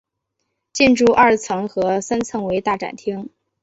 建筑二层和三层为大展厅。